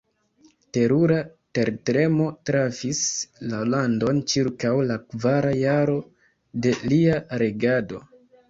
Terura tertremo trafis la landon ĉirkaŭ la kvara jaro de lia regado.